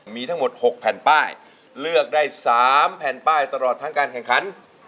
มีทั้งหมด๖แผ่นป้ายเลือกได้๓แผ่นป้ายตลอดทั้งการแข่งขัน